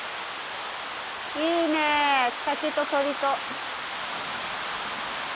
いいね滝と鳥と。